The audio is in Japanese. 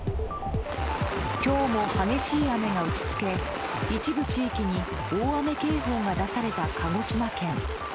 今日も激しい雨が打ち付け一部地域に大雨警報が出された鹿児島県。